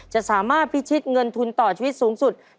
จะสามารถพิชิตเงินทุนต่อชีวิตสูงสุด